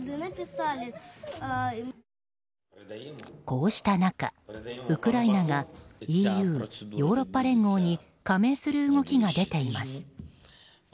こうした中、ウクライナがＥＵ・ヨーロッパ連合に加盟する動きが出ています。